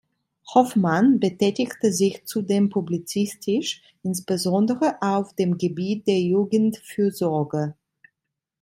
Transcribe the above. Hoffmann betätigte sich zudem publizistisch, insbesondere auf dem Gebiet der Jugendfürsorge.